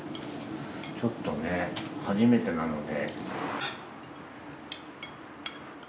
ちょっとね初めてなので。